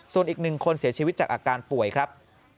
ส่วนอีก๑คนเสียชีวิตจากอาการป่วยครับ